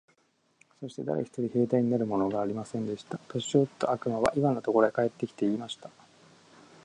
そして誰一人兵隊になるものがありませんでした。年よった悪魔はイワンのところへ帰って来て、言いました。